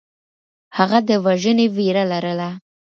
هغه د وژنې وېره لرله.